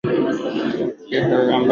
ambao waliweza kujaribu ku